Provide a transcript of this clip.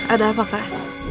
ada apa kak